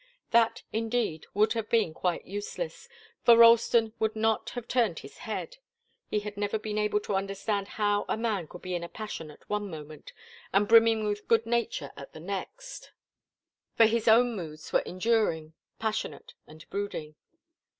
That, indeed, would have been quite useless, for Ralston would not have turned his head. He had never been able to understand how a man could be in a passion at one moment and brimming with good nature at the next, for his own moods were enduring, passionate and brooding.